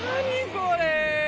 これ！